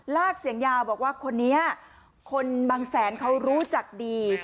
ลากเสียงยาวบอกว่าคนนี้คนบางแสนเขารู้จักดี